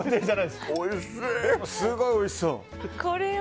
でも、すごいおいしそう。